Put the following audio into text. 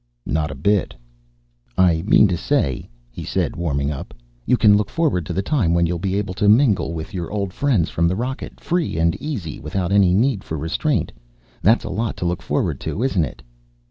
"Not a bit." "I mean to say," he said, warming up, "you can look forward to the time when you'll be able to mingle with your old friends from the rocket, free and easy, without any need for restraint. That's a lot to look forward to, isn't it?"